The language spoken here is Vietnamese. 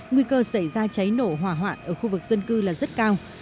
nguy cơ xảy ra cháy nổ hỏa hoạn ở khu vực dân cư là rất cao